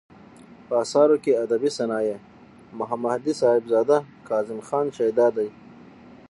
په اثارو کې ادبي صنايع ، محمدي صاحبزداه ،کاظم خان شېدا دى.